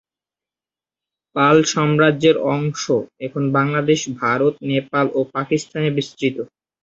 পাল সাম্রাজ্যের অংশ এখন বাংলাদেশ, ভারত, নেপাল, ও পাকিস্তানে বিস্তৃত।